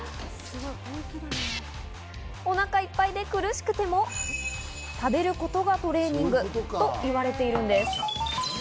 お腹いっぱいで苦しくても、食べることがトレーニングと言われているんです。